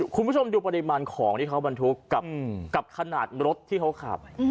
คุณผู้ชมดูปริมาณของที่เขาบรรทุกกับขนาดรถที่เขาขับ